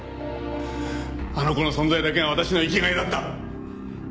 あの子の存在だけが私の生きがいだった！